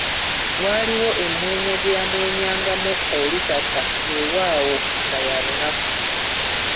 Waaliwo emmwenya gye yamwenyamwenyangamu olutata, weewaawo nga ya bunafu.